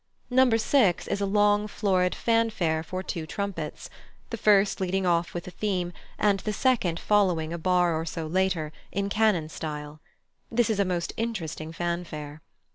No. 6 is a long florid fanfare for two trumpets; the first leading off with the theme, and the second following a bar or so later, in canon style: this is a most interesting fanfare.